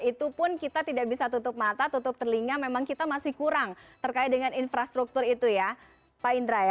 itu pun kita tidak bisa tutup mata tutup telinga memang kita masih kurang terkait dengan infrastruktur itu ya pak indra ya